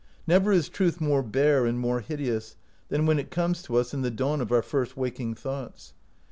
Never is truth more bare and more hideous than when it comes to us in the dawn of our first waking thoughts.